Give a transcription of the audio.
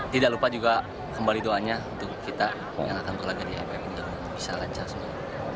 tidak lupa juga kembali doanya untuk kita yang akan berlagak di aff untuk bisa lancar semua